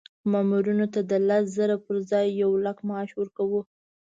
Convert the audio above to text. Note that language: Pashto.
مامورینو ته د لس زره پر ځای یو لک معاش ورکوو.